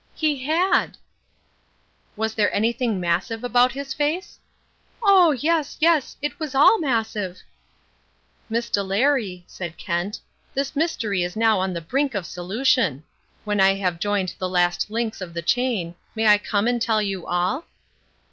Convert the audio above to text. "He had." "Was there anything massive about his face?" "Oh, yes, yes, it was all massive." "Miss Delary," said Kent, "this mystery is now on the brink of solution. When I have joined the last links of the chain, may I come and tell you all?"